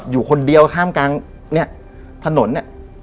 อยู่คนเดียวข้ามกลางถนน